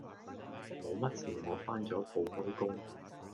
冇乜事我返咗鋪開工